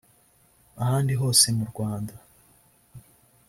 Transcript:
ahandi hose mu rwanda